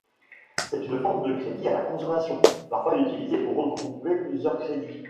C'est une forme de crédit à la consommation, parfois utilisée pour regrouper plusieurs crédits.